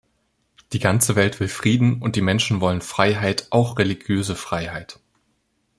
Die ganze Welt will Frieden, und die Menschen wollen Freiheit, auch religiöse Freiheit.